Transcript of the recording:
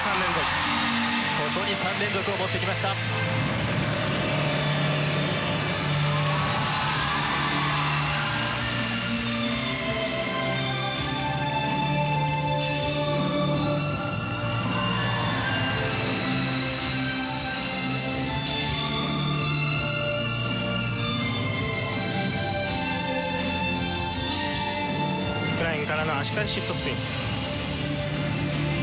フライングからの足換えシットスピン。